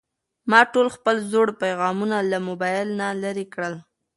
ما خپل ټول زوړ پيغامونه له موبایل نه لرې کړل.